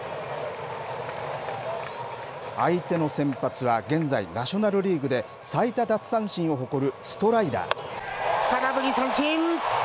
相手の先発は現在、ナショナルリーグで最多奪三振を誇るストライ空振り三振。